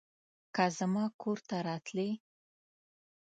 که زما کور ته راتلې